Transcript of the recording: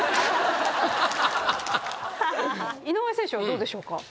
井上選手はどうでしょうか？